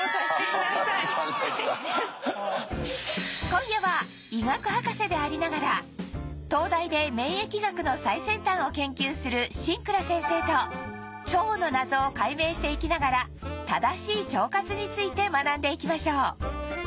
今夜は医学博士でありながら東大で免疫学の最先端を研究する新藏先生と腸の謎を解明していきながら正しい腸活について学んでいきましょう